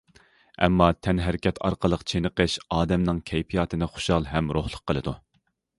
ئەمما تەنھەرىكەت ئارقىلىق چېنىقىش ئادەمنىڭ كەيپىياتىنى خۇشال ھەم روھلۇق قىلىدۇ.